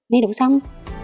mới đủ sống